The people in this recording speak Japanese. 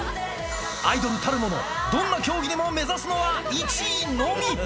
アイドルたるもの、どんな競技でも目指すのは１位のみ。